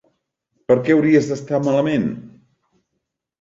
Per què hauries d'estar malament?